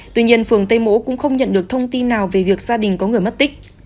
tuy nhiên phường tây mỗ cũng không nhận được thông tin nào về việc gia đình có người mất tích